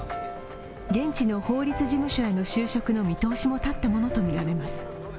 現地の法律事務所への就職の見通しも立ったものとみられます。